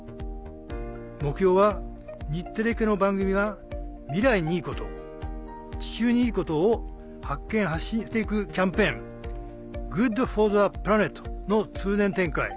目標は日テレ系の番組は未来にいいこと地球にいいことを発見発信して行くキャンペーン「ＧｏｏｄＦｏｒｔｈｅＰｌａｎｅｔ」の通年展開。